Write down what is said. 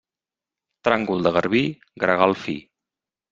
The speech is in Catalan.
Tràngol de garbí, gregal fi.